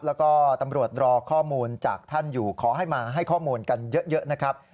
แล้วก็ตำรวจรอข้อมูลจากท่านอยู่ขอให้มาให้ข้อมูลกันเยอะนะครับ